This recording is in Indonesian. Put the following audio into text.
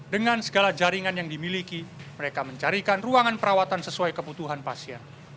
dengan segala jaringan yang dimiliki mereka mencarikan ruangan perawatan sesuai kebutuhan pasien